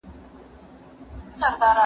په خپل ژوند کي مناسب او ښه ملګري وټاکئ.